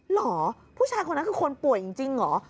เหรอผู้ชายคนนั้นคือคนป่วยจริงเหรอ